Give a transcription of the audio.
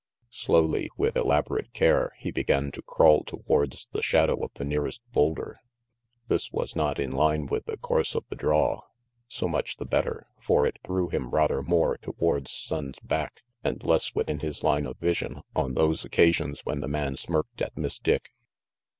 Slowly, with elaborate care, he began to crawl towards the shadow of the nearest boulder. This was not in line with the course of the draw. So much the better, for it threw him rather more towards Sonnes' back, and less within his line of vision on those occasions when the man smirked at Miss Dick.